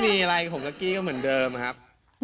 มีอะไรผมก็กี้ก็เหมือนเดิมครับ